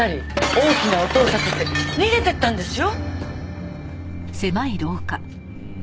大きな音を立てて逃げていったんですよ。